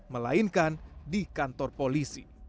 melainkan di kantor polisi